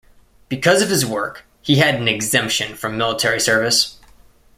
Because of his work, he had an exemption from military service.